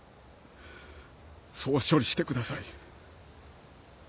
そう処理してください。